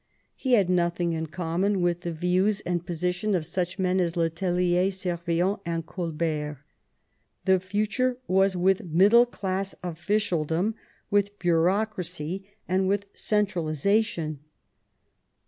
He had nothing in common with the views and position of such men as le Tellier, Servien, and Colbert. The future was with middle class officialdom, with bureaucracy, and with centralisa tion.